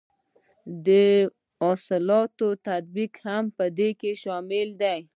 د اصلاحاتو تطبیق هم په دې کې شامل دی.